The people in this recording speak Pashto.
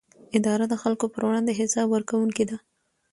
اداره د خلکو پر وړاندې حساب ورکوونکې ده.